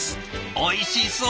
おいしそう！